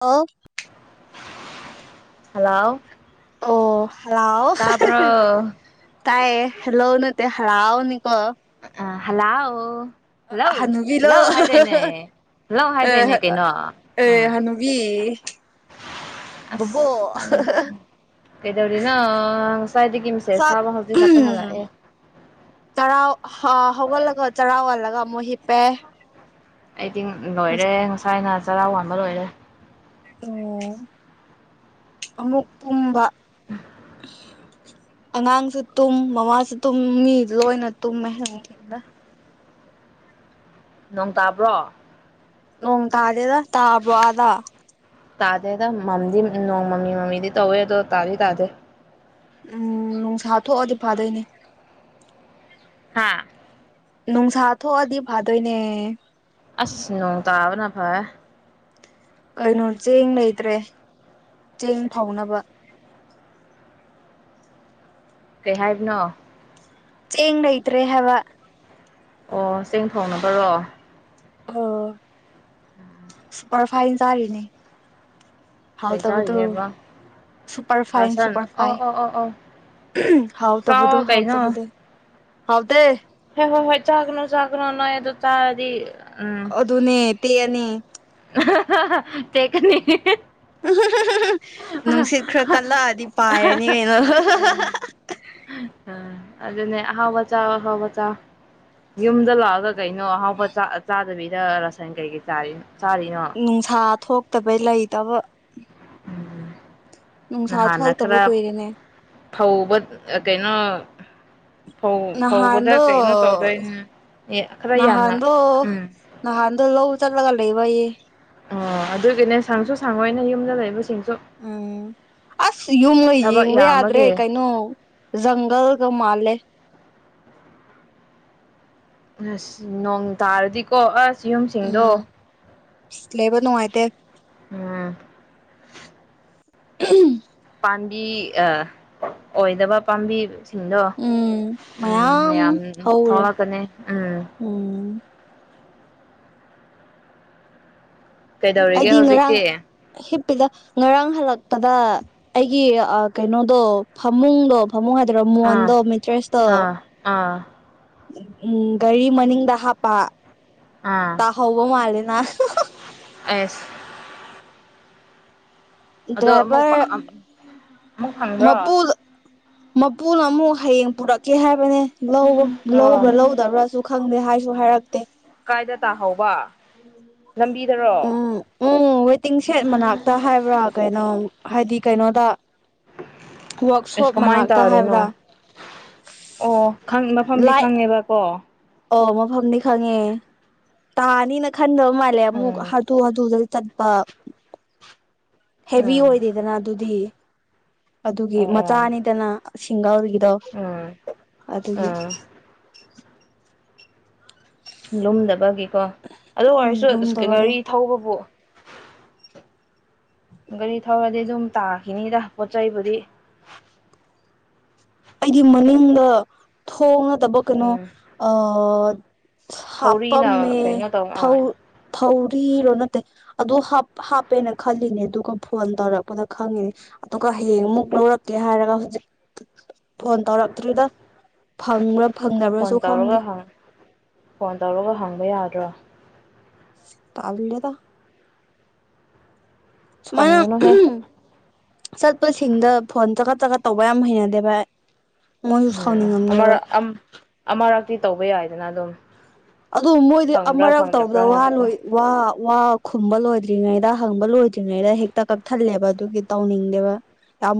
ꯑ [inaudible] ꯍꯜꯂꯣ ꯑꯣ ꯍꯜꯂ ꯇꯥꯕ꯭ꯔꯣ ꯇꯥꯏꯌꯦ ꯍꯦꯜꯂꯣꯅ ꯍꯥꯎꯅꯤꯀ ꯑ ꯍꯜꯂꯣ ꯍꯜꯂꯣ ꯍꯅꯨꯕꯤꯂꯣ ꯍꯜꯂꯣ ꯍꯥꯏꯗꯣꯏꯅꯦ ꯂ ꯍꯥꯏꯗꯣꯏꯅꯦ ꯑꯦ ꯀꯩꯅꯣ ꯑꯦ ꯎꯝ ꯍꯅꯨꯕꯤ ꯕꯣꯕꯣꯛ ꯑ ꯀꯩꯗꯧꯔꯤ ꯅ ꯁ ꯎꯝ ꯆꯔꯥꯎ ꯍꯒꯂꯒ ꯆꯔꯥꯎꯜꯂꯒ ꯃꯣꯍꯤ ꯄꯦ ꯑꯩꯗꯤ ꯂꯣꯏꯔꯦ ꯉꯁꯥꯏꯅ ꯆꯔꯥ ꯋꯥꯟꯕ ꯂꯣꯏꯔꯦ ꯑꯣꯝ ꯑꯃꯨꯛ ꯄꯨꯝꯕ ꯑꯉꯥꯡꯁꯨ ꯇꯨꯝ ꯃꯃꯥꯁꯨ ꯇꯨꯝ ꯃꯤ ꯂꯣꯏꯅ ꯇꯨꯝꯃꯦ ꯊꯗ ꯅꯣꯡ ꯇꯥꯕ꯭ꯔꯣ ꯅꯣꯡꯣꯡ ꯇꯥꯗꯦꯗ ꯇꯥꯕ꯭ꯔꯣ ꯑꯗ ꯇꯥꯗꯦꯗ ꯃꯝꯗꯤ ꯅꯣꯡ ꯃꯃꯤ ꯃꯃꯤꯗꯤ ꯇꯧꯋꯦ ꯑꯗꯣ ꯇꯥꯗꯤ ꯇꯥꯗꯦ ꯎꯝ ꯅꯨꯡꯁꯥ ꯊꯣꯛꯑꯗꯤ ꯐꯥꯗꯣꯏꯅꯦ ꯍꯥꯥ [inaudible] ꯅꯨꯡꯁꯥ ꯊꯣꯛꯑꯗꯤ ꯐꯥꯗꯣꯏꯅꯦ ꯑꯁꯅꯨ ꯇꯥꯕꯅ ꯐꯥ ꯀꯩꯅꯣ ꯆꯦꯡ ꯂꯩꯇ꯭ꯔꯦ ꯆꯦꯡ ꯐꯥꯎꯅꯕ ꯀꯩ ꯍꯥꯏꯕꯅꯣ ꯑꯦꯡꯩꯇ꯭ꯔꯦ ꯍꯋꯥ ꯑꯣ ꯆꯦꯡ ꯊꯣꯡꯅꯕꯔꯣ ꯑꯣ ꯃꯔ ꯐꯥꯏꯟ ꯆꯥꯔꯤꯅꯤ ꯀꯩ ꯆꯅꯦꯕ ꯁꯨꯄꯔ ꯐꯥꯏꯟ ꯁꯨꯄꯔ ꯐꯥꯏ ꯑꯣ ꯍꯥꯎ ꯇꯕꯗꯨ ꯆꯥꯎ ꯍꯥꯎ ꯀꯩꯅꯣ ꯇꯕꯗꯦ ꯍꯥꯎꯗꯦ ꯍꯣꯏ ꯍꯣꯏ ꯍꯣꯏ ꯆꯥꯛꯈꯅꯣ ꯆꯥꯒꯅꯣ ꯅꯣꯏ ꯑꯗꯨ ꯇꯥꯔꯗꯤ ꯑꯗꯨ ꯑꯗꯨꯅꯦ ꯇꯌꯥꯅꯤ ꯇ ꯀꯅꯤ ꯎ ꯅꯨꯡꯁꯤꯠ ꯈꯔ ꯀꯜꯂꯛꯑꯗꯤ ꯄꯥꯏꯔꯅꯤ ꯀꯩꯅꯣ ꯑꯥ ꯑꯗꯨꯅꯦ ꯑꯍꯥꯎꯕ ꯆꯆꯥ ꯑꯍꯥꯎꯕ ꯆꯥ ꯌꯨꯝꯗ ꯂꯥꯛꯑꯒ ꯀꯩꯅꯣ ꯑꯍꯥꯎꯕ ꯆꯥꯗꯕꯤ ꯔꯁꯥꯥꯏꯅ ꯀꯩꯒꯤꯩ ꯆꯥꯔꯤ ꯅꯨꯡꯁꯥ ꯊꯣꯛꯇꯕꯩ ꯂꯩꯇꯕ ꯎꯝ ꯅꯨꯡꯁꯥ ꯅꯍꯥꯟꯅ ꯊꯣꯛꯇꯕ ꯈꯔ ꯀꯨꯏꯔꯦꯅꯦ ꯐꯧꯕ ꯀꯩꯅꯣ ꯐꯧ ꯐꯧꯕꯗ ꯀꯩꯅꯣ ꯇꯧꯗꯣꯏꯅꯦ ꯑꯦ ꯈꯔ ꯌꯥꯝꯅ ꯅꯍꯥꯟꯗ ꯎꯝ ꯅꯍꯥꯟꯗ ꯂ ꯎ ꯆꯔꯂꯒ ꯂꯩꯕꯌꯦ ꯑꯣ ꯑꯗꯨꯒꯤꯅꯦ ꯁꯪꯁꯨ ꯁꯪꯉꯣꯏꯅ ꯌꯨꯝꯗ ꯂꯩꯕꯁꯤꯡꯁ ꯑ ꯑꯁ ꯌꯨꯝꯅ ꯊꯕꯛ ꯌꯦꯡꯕ ꯌꯥꯗ꯭ꯔꯦ ꯌꯥꯝꯕꯒꯤ ꯀꯩꯅꯣ ꯖꯪꯒꯜꯒ ꯃꯥꯜꯂꯦ ꯑꯁ ꯅꯣꯡ ꯇꯥꯔꯗꯤꯀꯣ ꯑꯁ ꯌꯨꯝꯁꯤꯡꯗꯣ ꯁ꯭ꯂꯦꯕ ꯅꯨꯡꯉꯥꯏꯇꯦ ꯎꯝ [inaudible] ꯄꯥꯝꯕꯤ ꯑꯣꯏꯗꯕ ꯄꯥꯝꯕꯤꯁꯤꯡꯗꯣ ꯎꯝ ꯎꯝ ꯃꯌꯥꯝ ꯍꯧꯔꯦ ꯊꯣꯛꯂꯛꯀꯅꯤ ꯎꯝ ꯎꯝ ꯀꯩꯗꯧꯔꯤꯒꯦ ꯑꯩꯗꯤ ꯉꯔꯥꯡ ꯍꯧꯖꯤꯛꯇꯤ ꯍꯞ ꯗ ꯉꯔꯥꯡ ꯍꯜꯂꯛꯄꯗ ꯑꯩꯒꯤ ꯀꯩꯅꯣꯗꯣ ꯐꯃꯨꯡꯗꯣ ꯐꯃꯨꯡ ꯍꯥꯏꯗꯔꯣ ꯑꯥ ꯃꯣꯍꯟꯗꯣ ꯃꯤꯇ꯭ꯔꯦꯁꯇꯣ ꯑꯥ ꯑꯥ ꯎꯝ ꯒꯥꯔꯤ ꯃꯅꯤꯡꯗ ꯍꯥꯞꯄ ꯑꯥ ꯇ ꯍꯧꯕ ꯃꯥꯂꯦꯅ ꯑꯦꯁ ꯑꯗꯣ ꯑꯃꯨꯛ ꯗ꯭ꯔꯥꯏꯕꯔ ꯑꯃꯨꯛ ꯐꯪꯕ꯭ꯔꯣ ꯃꯕꯨꯕꯨꯜ ꯃꯄꯨꯅ ꯑꯃꯨꯛ ꯍꯌꯦꯡ ꯄꯨꯔꯛꯀꯦ ꯍꯥꯏꯕꯅꯦ ꯑꯣ ꯂꯧꯕ꯭ꯔꯥ ꯂꯧꯗꯕ꯭ꯔꯥꯁꯨ ꯈꯪꯗꯦ ꯍꯥꯏ ꯁꯨ ꯍꯥꯏꯔꯛꯇꯦ ꯀꯥꯏꯗ ꯇꯥꯍꯧꯕ ꯂꯝꯕꯤꯗꯔꯣ ꯎꯝ ꯎꯝ ꯋꯦꯇꯤꯡ ꯁꯦꯠ ꯃꯅꯥꯛꯇ ꯍꯥꯏꯕ꯭ꯔꯥ ꯀꯩꯅꯣ ꯍꯥꯏꯗꯤ ꯀꯩꯅꯣꯗ ꯋꯥꯔꯛꯁꯣꯞ ꯏꯁꯀ ꯃꯥꯏ ꯇ ꯃꯅꯥꯛꯇ ꯑꯔꯦꯅꯣ ꯍꯥꯏꯕ꯭ꯔꯥ ꯑꯣ ꯃꯐꯝꯗꯤ ꯂꯥꯏꯠ ꯈꯪꯉꯦꯕ ꯀꯣ ꯑꯣ ꯃꯐꯝꯗꯤ ꯈꯪꯉꯦ ꯇꯥꯅꯤꯅ ꯈꯟꯗꯕ ꯃꯥꯜꯂꯦ ꯑꯃꯨꯛ ꯎꯝ ꯍꯥꯊꯨ ꯍꯥꯊꯨꯗ ꯆꯠꯄ ꯍꯦꯚ ꯎꯝ ꯑꯣꯏꯗꯦꯗꯅ ꯑꯗꯨꯗꯤ ꯑꯗꯨꯒꯤ ꯑꯣ ꯃꯆꯥ ꯑꯣ ꯑꯅꯤꯗꯅ ꯁꯤꯡꯒꯥꯜꯒꯤ ꯗꯣ ꯎꯝ ꯑꯗꯨꯒꯤ ꯎꯝ ꯂꯨꯝꯗꯕꯒꯤꯀꯣ ꯑꯗꯨ ꯎꯝ ꯑꯣꯏꯔꯁꯨ ꯂꯨꯝꯗꯕꯒꯤ ꯒꯥꯔꯤ ꯊꯧꯕꯕꯨ ꯒꯥꯔꯤ ꯊꯧꯔꯗꯤ ꯑꯗꯨꯝ ꯇꯥꯈꯤꯅꯤꯗ ꯄꯣꯠ ꯆꯩꯕꯨꯗꯤ ꯑꯩꯗꯤ ꯃꯅꯤꯡꯗ ꯊꯣꯡꯅꯗꯕ ꯀꯩꯅꯣ ꯎꯝ ꯑ ꯍꯥꯄꯝ ꯊꯧꯔꯤꯅ ꯃ ꯀꯩꯅꯣ ꯇꯧ ꯊꯧ ꯊꯧ ꯐꯔꯤꯔꯣ ꯅꯠꯇꯦ ꯑꯗꯨ ꯍꯥꯞꯄꯦꯅ ꯈꯜꯂꯤꯅꯦ ꯑꯗꯨꯒ ꯐꯣꯟ ꯇꯧꯔꯛꯄꯗ ꯈꯪꯉꯤꯅꯦ ꯑꯗꯨꯒ ꯍꯌꯦꯡ ꯑꯃꯨꯛ ꯂꯧꯔꯛꯀꯦ ꯍꯥꯏꯔꯒ ꯍꯧꯖꯤꯛ ꯐꯣꯟ ꯇꯧꯔꯛꯇ꯭ꯔꯤꯗ ꯐꯪꯕ꯭ꯔꯥ ꯐꯣꯟ ꯐꯪꯗꯕ꯭ꯔꯥꯁꯨ ꯇꯧꯔꯒ ꯈꯪꯗꯦ ꯍꯪ ꯐꯣꯟ ꯇꯧꯔꯒ ꯍꯪꯕ ꯌꯥꯗ꯭ꯔꯣ ꯇꯥꯕꯤꯂꯦꯗ ꯁꯨꯃꯥꯏꯅ ꯇꯟꯒꯅꯨꯍꯦ ꯆꯠꯄꯁꯤꯡꯗ ꯐꯣꯟ ꯆ ꯆꯀ ꯇꯧꯕ ꯌꯥꯝ ꯍꯩꯅꯗꯦ ꯚꯥꯏ ꯃꯣꯏꯁꯨ ꯎꯝ ꯁꯥꯎꯅꯤꯡꯉꯝꯅꯦꯕ ꯑꯃꯔꯛ ꯑꯃꯔꯛꯇꯤ ꯇꯧꯕ ꯌꯥꯏꯗꯅ ꯑꯗꯨꯝ ꯑꯗꯨ ꯃꯣꯏꯗꯤ ꯐꯪꯕ꯭ꯔꯥ ꯑꯃꯔꯛ ꯇꯧꯕꯗ ꯐꯪꯗꯕ꯭ꯔꯥ ꯋꯥ ꯍꯥꯏꯕꯗꯣ ꯂꯣꯏ ꯋꯥ ꯋꯥ ꯈꯨꯝꯕ ꯂꯣꯏꯗ꯭ꯔꯤꯉꯩꯗ ꯍꯪꯕ ꯂꯣꯏꯗ꯭ꯔꯤꯉꯩꯗ ꯍꯦꯛꯇ ꯀꯛꯊꯜꯂꯦꯕ ꯑꯗꯨꯒꯤ ꯇꯧꯅꯤꯡꯗꯦꯕ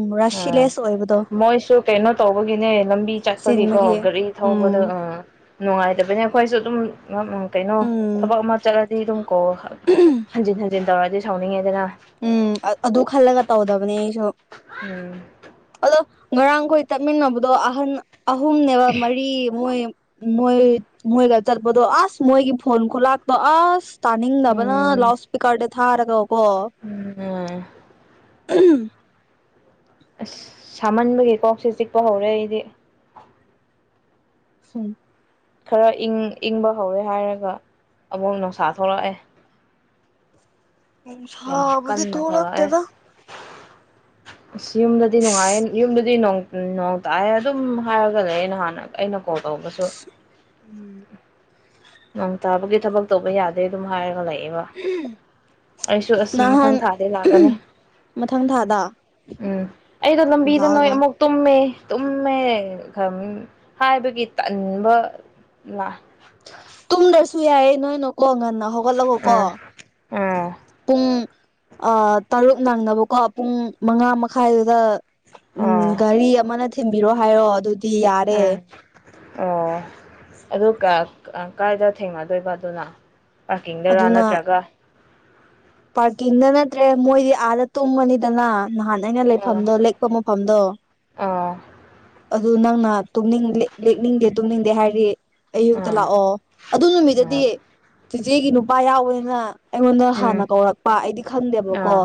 ꯃꯔꯁꯤꯦ ꯎꯝ ꯁꯣꯏ ꯦ [inaudible] ꯃꯣꯏꯁꯨ ꯀꯩꯅꯣ ꯇꯧꯕꯒꯤꯅꯦ ꯂꯝꯕꯤ ꯆꯠꯄꯒꯤꯀꯣ ꯆꯤꯟꯕꯒꯤ ꯒꯥꯔꯤ ꯊꯧꯕꯗ ꯎꯝ ꯎ ꯅꯨꯡꯉꯥꯏꯗꯕ ꯑꯗꯨ ꯑꯩꯈꯣꯏꯁꯨ ꯑꯗꯨꯝ ꯀꯩꯅꯣ ꯎꯝ ꯊꯕꯛ ꯑꯃ ꯆꯠꯂꯗꯤ ꯑꯗꯨꯝ ꯀꯣ ꯍꯟꯖꯤꯟ ꯍꯟꯖꯤꯟ ꯇꯧꯔꯗꯤ ꯁꯥꯎꯅꯤꯡꯉꯦꯗꯅ ꯎꯝ ꯑꯗꯨ ꯈꯜꯂꯒ ꯇꯧꯗꯕꯅꯦ ꯑꯩꯁꯨ ꯎꯝ ꯑꯗꯣ ꯉꯔꯥꯡꯈꯣꯏ ꯇꯠꯃꯤꯟꯅꯕꯗꯣ ꯑꯍꯟ ꯑꯍꯨꯝꯅꯦꯕ ꯃꯔꯤ ꯃꯣꯏ ꯃꯣꯏ ꯃꯣꯏꯒ ꯆꯠꯄꯗꯣ ꯑꯁ ꯃꯣꯏꯒꯤ ꯐꯣꯟ ꯈꯨꯂꯥꯛꯇꯣ ꯑꯁ ꯇꯥꯅꯤꯡꯗꯕꯅ ꯎꯝ ꯂꯥꯎꯠ ꯏꯁꯄꯤꯀꯔꯗ ꯊꯥꯔꯒꯀꯣ ꯎꯝ ꯎꯝ ꯑꯁ ꯁꯥꯃꯟꯕꯒꯤ ꯀꯣꯛ ꯁꯤ ꯆꯤꯛꯄ ꯍꯧꯔꯦ ꯑꯩꯗꯤ ꯎꯝ ꯈꯔ ꯏꯪ ꯏꯪꯕ ꯍꯧꯔꯦ ꯍꯥꯏꯔꯒ ꯑꯃꯨꯛ ꯅꯨꯡꯁꯥ ꯊꯣꯛꯂꯛꯑꯦ ꯎ ꯌꯥꯝ ꯍꯥꯥꯎ ꯀꯟꯅ ꯊꯣꯂ ꯊꯣꯛꯂꯛꯑꯦ ꯍꯛꯇꯗ ꯑꯁ ꯌꯨꯝꯗꯗꯤ ꯅꯨꯡꯉꯥꯏꯌꯦ ꯌꯨꯝꯗꯗꯤ ꯅ ꯎꯝ ꯅꯣꯡ ꯇꯥꯛꯑꯦ ꯑꯗꯨꯝ ꯍꯥꯏꯔꯒ ꯂꯩ ꯑꯩ ꯅꯍꯥꯟꯅ ꯑꯩꯅ ꯀꯣꯜ ꯇꯧꯕꯁꯨ ꯎꯝ ꯅ ꯇꯥꯕꯒꯤ ꯊꯕꯛ ꯇꯧꯕ ꯌꯥꯗꯦ ꯑꯗꯨꯝ ꯍꯥꯏꯔꯒ ꯂꯩ ꯝ [inaudible] ꯑꯩꯁꯨ ꯑꯁ ꯃꯊꯪ ꯊꯥꯗ ꯂꯥꯛꯀꯅꯤ ꯃꯊꯪ ꯊꯥꯗ ꯎꯝ ꯑꯩꯗꯣ ꯂꯝꯕꯤꯗ ꯂꯥꯛꯑꯣ ꯅꯣꯏ ꯂꯥꯛꯑꯣ ꯑꯃꯨꯛ ꯇꯨꯝꯃꯦ ꯇꯨꯝꯃꯦ ꯈ ꯍꯥꯏꯕꯒꯤ ꯇꯟꯕ ꯂꯥꯛ ꯇꯨꯡꯗꯁꯨ ꯌꯥꯏꯌꯦ ꯅꯣꯏꯅ ꯋꯥꯡ ꯉꯅ ꯍ ꯀꯣ ꯑꯥ ꯑꯥ ꯄꯨꯡ [inaudible] ꯑ ꯇꯔꯨꯛ ꯅꯪꯅꯕꯀꯣ ꯄꯨꯡ ꯃꯉꯥ ꯃꯈꯥꯏꯗꯨꯗ ꯎꯝ ꯑꯥ ꯘꯔꯤ ꯑꯃꯅ ꯊꯤꯟꯕꯤꯔꯣ ꯍꯥꯏꯔꯣ ꯑꯗꯨ ꯎ ꯑꯣ ꯑꯗꯨ ꯀꯥꯏꯗ ꯊꯦꯡꯅꯗꯣꯏꯕ ꯑꯗꯨꯅ ꯄꯥꯔꯀꯤꯡꯗꯔꯥ ꯑꯗꯨꯅ ꯅꯠꯇ꯭ꯔꯒ ꯄꯥꯔꯀꯤꯡꯗ ꯅꯠꯇ꯭ꯔꯦ ꯃꯣꯏꯗꯤ ꯑꯥꯗ ꯇꯨꯝꯃꯅꯤꯗꯅ ꯅꯍꯥꯟ ꯑꯩꯅ ꯑꯣ ꯑꯣ ꯂꯩꯐꯝꯗꯣ ꯂꯦꯛꯄ ꯃꯐꯝꯗꯣ ꯑꯥ ꯑꯗꯨ ꯅꯪꯅ ꯂꯦꯛꯅꯤꯡꯗꯦ ꯇꯨꯝꯅꯤꯡꯗꯦ ꯍꯥꯏꯔꯤ ꯑꯌꯨꯛꯇ ꯑꯥ ꯂꯥꯛꯑꯣ ꯑꯗꯨ ꯅꯨꯃꯤꯠꯇꯗꯤ ꯆꯤꯆꯦꯒꯤ ꯅꯨꯄꯥ ꯌꯥꯎꯋꯦꯅ ꯑꯩꯉꯣꯟꯗ ꯎꯝ ꯍꯥꯟꯅ ꯀꯧꯔꯛꯄ ꯑꯩꯗꯤ ꯈꯪꯗꯦꯕꯀꯣ ꯑꯥ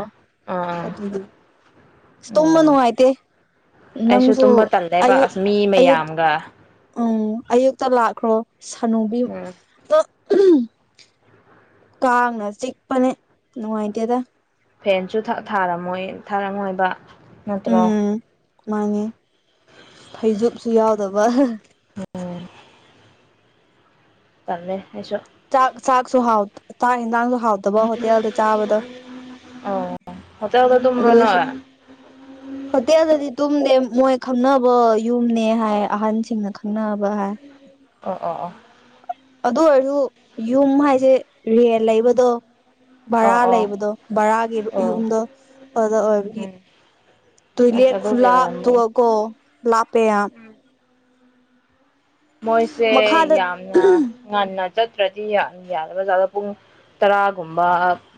ꯑꯥ ꯑꯥ ꯑꯗꯨꯒꯤ ꯇꯨꯃꯅꯣ ꯑꯣ ꯑꯥꯏꯇ ꯅꯪꯁꯨ ꯂꯕꯥꯛ ꯑꯌꯨꯛ ꯑꯁ ꯃꯤ ꯑꯌꯨꯛ ꯃꯌꯥꯝꯒ ꯎꯝ ꯑꯌꯨꯛꯇ ꯂꯥꯛꯈ꯭ꯔꯣ ꯁꯥꯅꯨꯕꯤ ꯎꯝ ꯑꯗꯣ ꯀꯥꯡꯅ ꯆꯤꯛꯄꯅꯦ ꯅꯨꯡꯉꯥꯏꯇꯦꯗ ꯐꯦꯟꯁꯨ ꯊꯥꯔꯝꯃꯣꯏ ꯊꯥꯔꯝꯃꯣꯏꯕ ꯅꯠꯇ꯭ꯔꯣ ꯎꯝ ꯃꯥꯅꯤ ꯐꯩꯖꯨꯞꯁꯨ ꯌꯥꯎꯗꯕ ꯑ [inaudible] ꯆꯃꯦꯃꯦ ꯆꯥꯛ ꯆꯥꯛꯁꯨ ꯆꯥꯛ ꯌꯦꯟꯁꯥꯡꯁꯨ ꯍꯥꯎꯇꯕ ꯍꯣꯇꯦꯜꯗ ꯆꯥꯕꯗꯣ ꯑꯣ ꯍꯣꯇꯦꯜꯗ ꯑꯗꯨ ꯇꯨꯝꯕ꯭ꯔꯣ ꯑꯩꯁꯨ ꯅꯣꯏ ꯍꯣꯇꯦꯜꯗꯗꯤ ꯇꯨꯝꯗꯦ ꯃꯣꯏ ꯈꯪꯅꯕ ꯌꯨꯝꯅꯦ ꯍꯥꯏ ꯑꯍꯟꯁꯤꯡꯅ ꯈꯪꯅꯕ ꯍꯥꯏ ꯑꯣ ꯑꯣ ꯑꯣ ꯑꯗꯨ ꯑꯣꯏꯔꯁꯨ ꯌꯨꯝ ꯍꯥꯏꯁꯦ ꯔꯦꯟ ꯂꯩꯕꯗꯣ ꯕꯔꯥ ꯑꯣ ꯑꯣ ꯑꯣ ꯂꯩꯕꯗꯣ ꯕꯔꯥꯒꯤ ꯑꯣ ꯌꯨꯝꯗ ꯑꯗꯨꯗ ꯑꯣꯏꯕꯗꯤ ꯎꯝ ꯑꯁ ꯇꯣꯏꯂꯦꯠ ꯑꯗꯨꯒꯤ ꯈꯨꯂꯞ ꯑꯣꯏꯔꯝꯃꯅꯤ ꯇꯨꯒ ꯂꯥꯛꯄꯦꯌꯥ ꯃꯣꯏꯁꯦ ꯃꯈꯥꯗ ꯌꯥꯝꯅ ꯉꯟꯅ ꯆꯠꯇ꯭ꯔꯗꯤ ꯌꯥꯗꯕꯥꯗ ꯄꯨꯡ ꯇꯔꯥꯒꯨꯝꯕ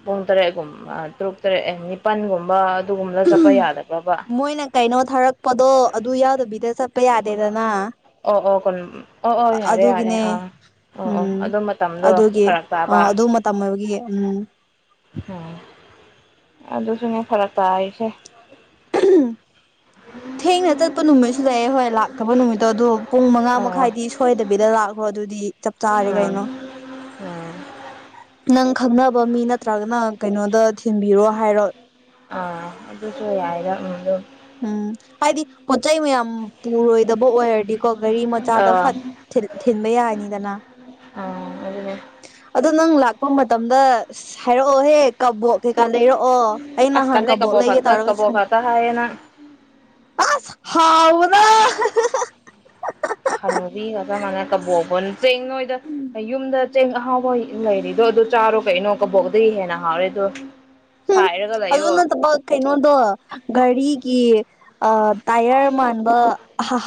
ꯄꯨꯡ ꯇꯔꯦꯠꯒꯨꯝꯕ ꯇꯔꯨꯛ ꯇꯔꯦꯠ ꯅꯤꯄꯜꯒꯨꯝꯕ ꯑꯗꯨꯒꯨꯝꯕꯗ ꯆꯠꯄ ꯌꯥꯗꯕ꯭ꯔꯕ ꯃꯣꯏꯅ ꯀꯩꯅꯣ ꯊꯥꯔꯛꯄꯗꯣ ꯑꯗꯨ ꯌꯥꯎꯗꯕꯤꯗ ꯆꯠꯄ ꯆꯄ ꯌꯥꯗꯦꯗꯅ ꯑꯣ ꯑꯣ ꯀ ꯑꯣ ꯑꯣ ꯌꯥꯔꯦ ꯌꯥꯔꯦ ꯑꯗꯨꯒꯤꯅꯦ ꯑꯥ ꯑꯣ ꯑꯣ ꯎꯝ ꯑꯗꯨ ꯃꯇꯝꯗꯣ ꯑꯗꯨꯒꯤ ꯐꯔꯛ ꯑ ꯇꯥꯕ ꯑꯗꯨ ꯃꯇꯝ ꯑꯣꯏꯕꯒꯤ ꯎꯝ ꯎꯝ ꯑꯗꯨ ꯑꯗꯨꯁꯨꯅ ꯐꯔꯀꯥꯏꯁꯦ ꯊꯦꯡꯅ ꯆꯠꯄ ꯅꯨꯃꯤꯠꯁꯨ ꯂꯩꯑꯦ ꯍꯣꯏ ꯂꯥꯛ ꯊꯄ ꯅꯨꯃꯤꯠꯇꯣ ꯑꯗꯨꯗꯣ ꯄꯨꯡ ꯃꯉꯥ ꯑꯣ ꯃꯈꯥꯏꯗꯤ ꯁꯣꯏꯗꯕꯤꯗ ꯂꯥꯛꯈ꯭ꯔꯣ ꯑꯗꯨꯗꯤ ꯆꯞ ꯆꯥꯔꯦ ꯀꯩꯅꯣ ꯎꯝ ꯅꯪ ꯈꯪꯅꯕ ꯃꯤ ꯅꯠꯇ꯭ꯔꯒꯅ ꯀꯩꯅꯣꯗ ꯊꯤꯟꯕꯤꯔꯣ ꯍꯥꯏꯔꯣ ꯑꯥ ꯑꯗꯨꯁꯨ ꯌꯥꯏꯔ ꯎꯝ ꯑꯗꯨ ꯎꯝ ꯍꯥꯏꯗꯤ ꯄꯣꯠ ꯆꯩ ꯃꯌꯥꯝ ꯄꯨꯔꯣꯏ ꯗꯕꯨ ꯑꯣꯏꯔꯗꯤꯀꯣ ꯒꯥꯔꯤ ꯃꯆꯥꯗ ꯑꯥ ꯐꯠ ꯊꯤꯟꯕ ꯌꯥꯔꯅꯤꯗꯅ ꯑꯥ ꯑꯗꯨꯅꯦ ꯑꯗꯣ ꯅꯪ ꯂꯥꯛꯄ ꯃꯇꯝꯗ ꯍꯥꯏꯔꯛꯑꯣꯍꯦꯛ ꯀꯕꯣꯛ ꯀꯩꯀꯥ ꯂꯩꯔꯛꯑꯣ ꯑꯩ ꯑꯁ ꯅꯍꯥꯟ ꯇꯜꯂꯦ ꯀꯕꯣꯛ ꯂꯩꯒꯦ ꯈꯛꯇ ꯇꯧꯔꯒ ꯀꯕꯣꯛ ꯁꯉ ꯈꯛꯇ ꯍꯥꯏꯌꯦ ꯅꯪ ꯑꯁ ꯍꯥꯎꯥꯕꯅ ꯈꯥꯟꯅꯕꯤꯒꯗꯃꯥꯏꯅ ꯀꯕꯣꯕ ꯆꯦꯡ ꯅꯣꯏꯗ ꯌꯨꯝꯗ ꯆꯦꯡ ꯑꯍꯥꯎꯕ ꯂꯩꯔꯤꯗꯣ ꯑꯗꯣ ꯆꯥꯔꯣ ꯀꯩꯅꯣ ꯀꯕꯣꯛꯇꯒꯤ ꯍꯥꯦꯟ ꯍꯥꯎꯔꯦ ꯎꯝ ꯁꯥꯏꯔꯒ ꯑꯗꯨ ꯂꯩꯌꯣ ꯅꯠꯇꯕ ꯀꯩꯅꯣꯗꯣ ꯒꯔꯤꯒꯤ ꯑ ꯇꯥꯏꯌꯔ ꯃꯥꯟꯕ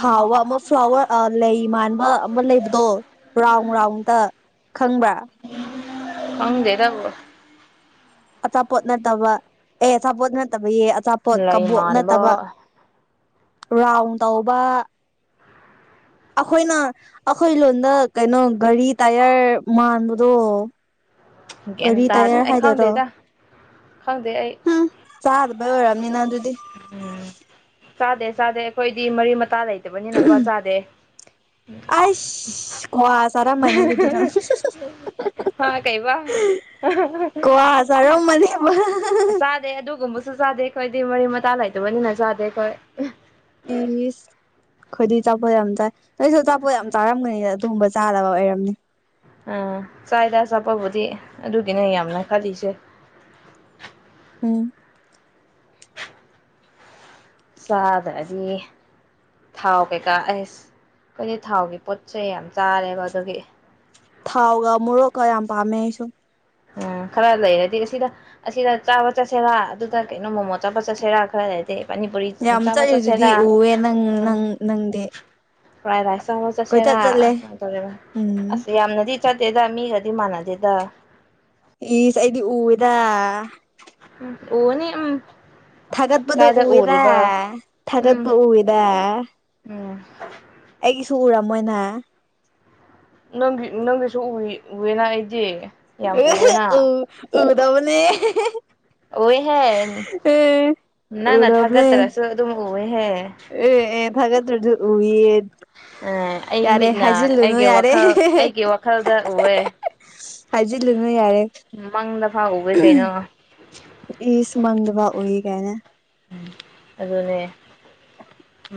ꯍꯥꯎꯕ ꯑꯃ ꯐ꯭ꯂꯥꯋꯔ ꯂꯩ ꯃꯥꯟꯕ ꯑꯃ ꯂꯩꯕꯗꯣ ꯔꯥꯎꯟ ꯔꯥꯎꯟꯇ ꯈꯪꯕ꯭ꯔꯥ ꯈꯪꯗꯦꯗ ꯑꯆꯥꯄꯣꯠ ꯅꯠꯇꯕ ꯑꯦ ꯑꯆꯥꯄꯣꯠ ꯅꯠꯇꯕ ꯌꯦ ꯑꯆꯥꯄꯣꯠ ꯂꯩ ꯀꯕꯣꯛ ꯃꯥꯟꯕ ꯅꯠꯇꯕ ꯔꯥꯎꯟ ꯇꯧꯕ ꯑꯩꯈꯣꯏꯅ ꯑꯩꯈꯣꯏ ꯂꯣꯟꯗ ꯀꯩꯅꯣ ꯒꯥꯔꯤ ꯇꯥꯏꯌꯔ ꯃꯥꯟꯕꯗꯣ ꯒ꯭ꯌꯥꯟ ꯒꯥꯔꯤ ꯇꯥ ꯇꯌꯔ ꯑꯩ ꯍꯥꯏꯗꯣꯏꯔꯣ ꯈꯪꯗꯦꯗ ꯈꯪꯗꯦ ꯑꯩ ꯍꯨꯝ ꯆꯥꯗꯕ ꯑꯣꯏꯔꯝꯅꯤꯅ ꯑꯗꯨꯗꯤ ꯎꯝ ꯆꯥꯗꯦ ꯆꯥꯗꯦ ꯑꯩꯈꯣꯏꯗꯤ ꯃꯔꯤ ꯃꯇꯥ ꯂꯩꯇꯕꯅꯤꯅꯀꯣ ꯆꯥꯗꯦ ꯑ ꯈꯋꯥ ꯁꯔꯥ ꯃꯅꯦ ꯑꯗꯨꯨꯗꯤꯅ ꯍꯥ ꯀꯩꯕ ꯀꯋꯥꯁꯔꯣ ꯃꯅꯦꯦꯕ ꯆꯥꯗꯦ ꯑꯗꯨꯒꯨꯝꯕꯁꯨ ꯆꯥꯗꯦ ꯑꯩꯈꯣꯏꯗꯤ ꯃꯔꯤ ꯃꯇꯥ ꯂꯩꯗꯕꯅꯤꯅ ꯆꯥꯗꯦ ꯑꯩꯣꯏ ꯏꯁꯁ ꯑꯩꯈꯣꯏꯗꯤ ꯑꯆꯥꯄꯣꯠ ꯌꯥꯝ ꯆꯥꯏ ꯅꯣꯏꯁꯨ ꯑꯆꯥꯄꯣꯠ ꯌꯥꯝ ꯆꯥꯔꯝꯒꯅꯤꯗ ꯇꯨꯝꯕ ꯆꯥꯗꯕ ꯑꯣꯏꯔꯝꯅꯤ ꯑꯝ ꯆꯥꯏꯗ ꯆꯠꯄꯕꯨꯗꯤ ꯑꯗꯨꯒꯤꯅꯦ ꯌꯥꯝꯅ ꯈꯜꯂꯤꯁꯦ ꯎꯝ ꯆꯗꯗꯤ ꯊꯥꯎ ꯀꯩꯀꯥ ꯑꯦꯁ ꯑꯩꯈꯣꯏꯗꯤ ꯊꯥꯎꯒꯤ ꯄꯣꯠꯁꯦ ꯌꯥꯝ ꯆꯥꯔꯦꯕ ꯑꯗꯨꯒꯤ ꯊꯥꯎꯒ ꯃꯣꯔꯣꯛꯀ ꯌꯥꯝ ꯄꯥꯝꯃꯦ ꯑꯩꯁꯨ ꯎꯝ ꯈꯔ ꯂꯩꯔꯗꯤ ꯑꯁꯤꯗ ꯑꯁꯤꯗ ꯆꯥꯕ ꯆꯠꯁꯤꯦꯔꯥ ꯑꯗꯨꯗ ꯀꯩꯅꯣ ꯃꯣꯃꯣ ꯆꯥꯕ ꯆꯠꯁꯤꯦꯔꯥ ꯈꯔ ꯂꯩꯔꯗꯤ ꯄꯅꯤ ꯄꯔꯤ ꯌꯥꯝ ꯆꯃꯆꯥ ꯆꯠꯂꯤꯗꯨꯗꯤ ꯁꯦꯂꯥ ꯎꯋꯦ ꯅꯪ ꯎ ꯅꯪ ꯅꯪꯗꯤ ꯐ꯭ꯔꯥꯏ ꯔꯥꯏꯁ ꯆꯥꯕ ꯀꯣꯏꯆꯠ ꯆꯠꯂꯦ ꯆꯠꯁꯦꯔꯥꯃꯥꯏꯅ ꯇꯧꯦ ꯎꯝ ꯑꯁ ꯌꯥꯝꯅꯗꯤ ꯆꯗꯦꯗ ꯃꯤꯒꯗꯤ ꯃꯥꯟꯅꯗꯦꯗ ꯑꯩꯗꯤ ꯎꯗ ꯑꯣꯅꯤ ꯎ ꯊꯥꯒꯠꯄꯗꯨ ꯎꯏꯔ ꯊꯥꯒꯠꯄ ꯎꯝ ꯎꯏꯔ ꯎꯝ ꯑꯩꯒꯤꯁꯨ ꯎꯔꯝꯃꯣꯏꯅꯦ ꯅꯪꯒꯤ ꯅꯪꯒꯤꯁꯨ ꯎ ꯎꯋꯦꯅ ꯑꯩꯗꯤ ꯌꯥꯝ ꯎꯋꯦꯅ ꯗꯧꯅꯦ ꯑꯣꯏꯍꯦ ꯅꯪ ꯅ ꯎꯗꯕꯅꯦ ꯊꯥꯒꯠꯇ꯭ꯔꯁꯨ ꯑꯗꯨꯝ ꯑꯣꯏꯍꯦ ꯑꯦ ꯑꯦ ꯊꯗ꯭ꯔꯣ ꯎ ꯑꯩ ꯃꯤꯠꯅ ꯑꯩꯒꯤ ꯌꯥꯔꯦ ꯋꯥꯈꯜ ꯑꯩꯒꯤ ꯋꯥꯈꯜꯗ ꯎꯑꯦ ꯍꯥꯏꯖꯤ ꯂꯨꯅ ꯌꯥꯔꯦ ꯐꯥꯎ ꯎꯋꯦ ꯀꯩꯅꯣ ꯏꯃꯗꯕꯥ ꯎ ꯀꯍꯅ ꯎꯝ ꯑꯗꯨꯅꯦ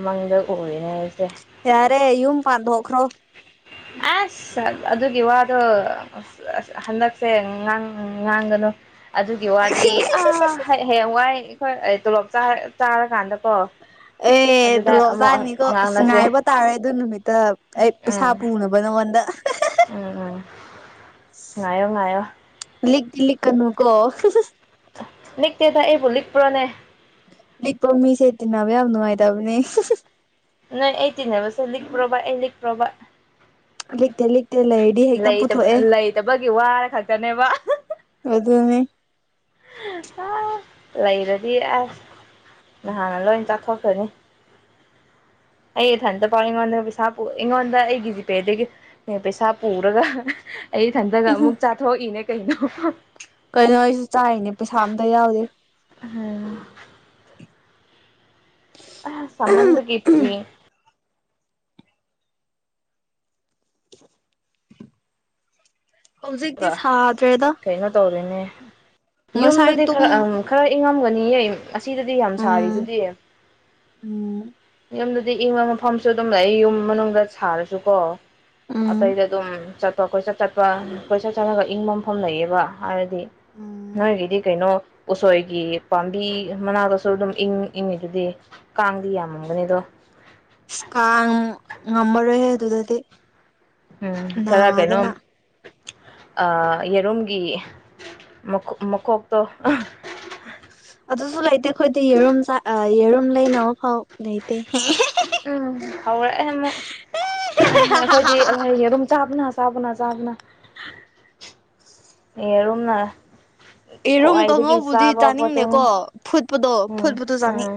ꯃꯪꯗ ꯎꯔꯤꯅꯦ ꯑꯩꯁꯦ ꯌꯥꯔꯦ ꯌꯨꯝ ꯄꯥꯟꯗ ꯍꯈ꯭ꯔꯣ ꯑꯁ ꯑꯗꯨꯒꯤ ꯋꯥꯗꯣ ꯑ ꯑꯁ ꯍꯟꯗꯛꯁꯦꯥꯡ ꯉꯥꯡꯒꯗ ꯍꯂꯣ ꯑꯗꯨꯒꯤ ꯋꯥꯗꯤ ꯑ ꯍ ꯋꯥꯏ ꯑꯩꯈꯣꯏ ꯇꯣꯂꯣꯞ ꯆꯥꯔꯀꯥꯟꯗꯀꯣ ꯑꯦ ꯑꯗꯨꯗ ꯑꯃꯨꯛ ꯑꯗꯨꯂꯖꯥꯅꯤꯀꯣ ꯉꯥꯡꯅꯁꯦ ꯁꯨꯡꯉꯥꯏꯕ ꯇꯥꯔꯦ ꯑꯗꯨ ꯅꯨꯃꯤꯠꯇ ꯑꯩ ꯄꯩꯁꯥ ꯎꯝ ꯄꯨꯅꯕ ꯅꯉꯣꯟꯗ ꯎꯝ ꯎꯝ ꯅꯥꯌꯣ ꯅꯥꯌꯣ ꯂꯤꯛ ꯇꯗꯤ ꯂꯤꯛ ꯀꯅꯨ ꯀꯣ ꯅꯛꯇꯗ ꯑꯦꯕꯣꯛ ꯄꯨꯔꯥꯅꯦ ꯂꯩꯄꯣ ꯃꯤꯁꯦꯇꯅꯥꯕ ꯌꯥꯝ ꯅꯨꯡꯉꯥꯏ ꯇꯕꯅꯦ ꯅ ꯑꯩ ꯇꯅꯦ ꯍꯥꯏꯕꯁꯦ꯭ꯔꯕꯥ ꯑꯦ ꯂꯤ ꯄ꯭ꯔꯕꯥ ꯂꯤꯛꯇ ꯂꯤꯛꯇ ꯂꯩꯔꯗꯤ ꯍꯦꯛꯇ ꯂꯩꯇꯕ ꯄꯨꯊꯣꯛꯑꯦ ꯂꯩꯇꯕꯒꯤ ꯋꯥꯔ ꯈꯛꯇꯅꯦꯕ ꯑꯗꯨ ꯑꯗꯨꯅꯦ ꯂꯩꯔꯗꯤ ꯑꯁ ꯅꯍꯥꯟꯅ ꯂꯣꯏ ꯆꯥꯊꯣꯛꯀꯅꯤ ꯑꯩ ꯏꯊꯟꯇ ꯄꯥꯎ ꯑꯩꯉꯣꯟꯗ ꯄꯩꯁꯥ ꯑꯩꯉꯣꯟꯗ ꯑꯩꯒꯤ ꯖꯤꯄꯦꯗꯒꯤ ꯄꯩꯁꯥ ꯄꯨꯔꯒ ꯑꯩ ꯏꯊꯟꯗꯒ ꯑꯃꯨꯛ ꯆꯥꯊꯣꯛꯏꯅꯦ ꯀꯩꯅꯣ ꯀꯔꯤꯅꯣ ꯑꯩꯁꯨ ꯆꯥꯏꯔꯤꯅꯦ ꯄꯩꯁꯥ ꯑꯝꯇ ꯌꯥꯎꯗꯦ ꯎꯝ ꯑ ꯁꯃꯗ ꯀꯦꯇ꯭ꯔꯤ ꯍꯧꯖꯤꯛꯇꯤ ꯁꯥꯗ꯭ꯔꯦꯗ ꯀꯩꯅꯣ ꯇꯧꯔꯤꯅꯦ ꯉꯁꯥꯏ ꯌꯨꯝꯗꯗꯤ ꯇꯨꯝ ꯈꯔ ꯈꯔ ꯏꯪꯉꯝꯒꯅꯤ ꯑꯁꯤꯗꯗꯤ ꯌꯥꯝ ꯁꯥꯔꯤ ꯎꯝ ꯑꯗꯨꯗꯤ ꯎꯝ ꯌꯨꯝꯗꯗꯤ ꯏꯪꯕ ꯃꯐꯝꯁꯨ ꯑꯗꯨꯝ ꯂꯩ ꯌꯨꯝ ꯃꯅꯨꯡꯗ ꯁꯥꯔꯁꯨꯀꯣ ꯎꯝ ꯑꯇꯩꯗ ꯑꯗꯨꯝ ꯆꯠꯄ ꯀꯣꯏꯆꯠ ꯆꯠꯄ ꯀꯣꯏꯆꯠ ꯆꯠꯂꯒ ꯏꯪꯕ ꯃꯝꯐꯝ ꯂꯩꯌꯦꯕꯗꯤ ꯎꯝ ꯅꯣꯏꯒꯤꯗꯤ ꯀꯩꯅꯣ ꯎꯁꯣꯏꯒꯤ ꯄꯥꯝꯕꯤ ꯃꯅꯥꯛꯇꯁꯨ ꯑꯗꯨꯝ ꯏꯪ ꯏꯪꯉꯤꯗꯨꯗꯤ ꯀꯥꯡꯗꯤ ꯌꯥꯝꯃꯝꯒꯅꯤ ꯑꯗꯣ ꯀꯥ ꯉꯝꯕꯔꯦ ꯑꯗꯨꯗꯗꯤ ꯎꯝ ꯈꯔ ꯀꯩꯅꯣ ꯅꯥꯗꯅ ꯌꯦꯔꯨꯝꯒꯤ ꯃꯀꯣꯛꯇꯣ ꯑꯗꯨꯁꯨ ꯂꯩꯇꯦ ꯑꯩꯈꯣꯏꯗꯤ ꯌꯦꯔꯨꯝ ꯆ ꯌꯦꯔꯨꯝ ꯂꯩꯅꯕ ꯐꯥꯎ ꯂꯩꯇꯦ ꯎꯝ ꯍꯧꯔꯛꯑꯦ ꯑꯃꯛ ꯑꯩꯈꯣꯏꯗꯤ ꯑꯗꯨꯨꯝ ꯆꯥꯕꯅ ꯆꯥꯕꯅ ꯆꯥꯕꯅ ꯑꯦꯔꯅ ꯌꯦꯔꯨꯝ ꯈꯏꯗ ꯀ ꯀꯥꯡꯉꯧꯕꯨꯗꯤ ꯏꯁꯥꯕꯄ ꯆꯥꯅꯤꯡꯗꯦꯀꯣ ꯎꯝ ꯐꯨꯠꯄꯗꯣ ꯐꯨꯠꯄꯗꯣ ꯆꯥꯅꯤꯡ ꯎꯝ